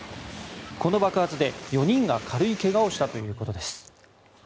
この爆発で４人が軽い怪我をしたということです。